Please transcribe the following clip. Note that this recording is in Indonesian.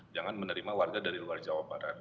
jangan menerima warga dari luar jawa barat